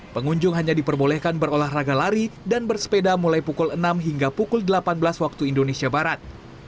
pengunjung hanya diperbolehkan berolahraga lari dan bersepeda mulai pukul enam hingga pukul delapan belas waktu indonesia barat